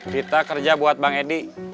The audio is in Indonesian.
kita kerja buat bang edi